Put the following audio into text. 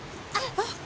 あっ！